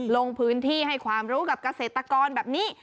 ลงพื้นที่ให้ความรู้กับเกษตรกรแบบนี้